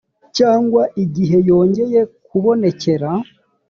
cyangwa igihe yongeye kubonekera